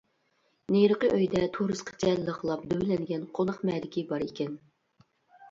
نېرىقى ئۆيدە تورۇسقىچە لىقلاپ دۆۋىلەنگەن قوناق مەدىكى بار ئىكەن.